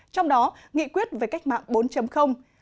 trong đó nghị quyết về cách mạng bốn